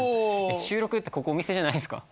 収録ってここお店じゃないんすか？